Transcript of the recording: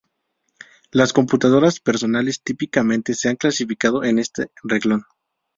Las computadoras personales típicamente se han clasificado en este renglón.